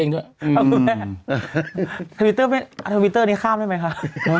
ครับคุณแม่ทวิตเตอร์นี้ข้ามได้ไหมคะ